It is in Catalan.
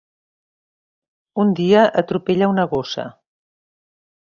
Un dia atropella una gossa.